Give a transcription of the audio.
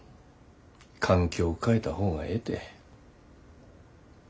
環境変えた方がええて。